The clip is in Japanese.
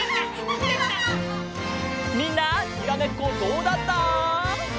みんなにらめっこどうだった？